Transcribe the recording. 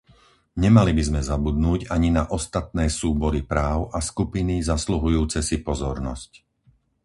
Nemali by sme zabudnúť ani na ostatné súbory práv a skupiny zasluhujúce si pozornosť.